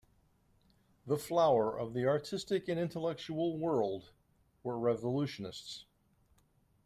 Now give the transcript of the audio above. The flower of the artistic and intellectual world were revolutionists.